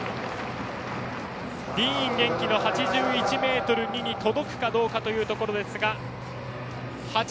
ディーン元気の８１ｍ２に届くかというところですが。